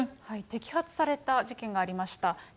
摘発された事件がありました。